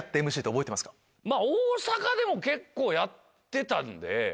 大阪でも結構やってたんで。